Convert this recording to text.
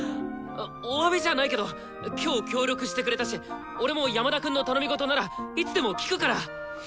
おわびじゃないけど今日協力してくれたし俺も山田くんの頼み事ならいつでも聞くから！